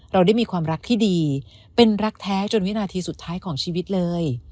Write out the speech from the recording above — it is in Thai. เราได้มีความรักที่ดีเป็นรักแท้จนวินาทีสุดท้ายของชีวิตเลย